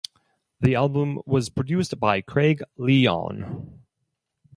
The album was produced by Craig Leon.